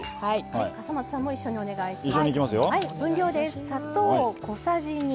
笠松さんも一緒にお願いします。